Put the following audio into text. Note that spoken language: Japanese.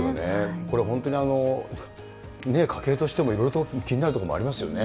これ本当に家計としてもいろいろと気になるところもありますよね。